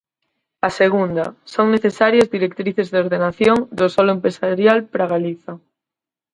A segunda: son necesarias directrices de ordenación do solo empresarial para Galiza.